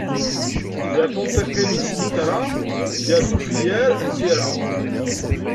Gar tunṭiqin n snitra, gar tefyar n tira.